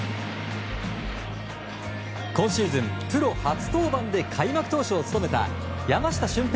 今シーズン、プロ初登板で開幕投手を務めた山下舜平